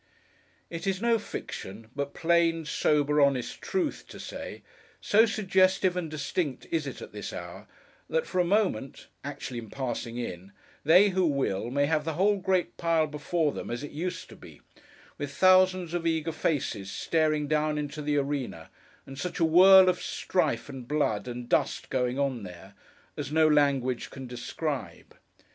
It is no fiction, but plain, sober, honest Truth, to say: so suggestive and distinct is it at this hour: that, for a moment—actually in passing in—they who will, may have the whole great pile before them, as it used to be, with thousands of eager faces staring down into the arena, and such a whirl of strife, and blood, and dust going on there, as no language can describe.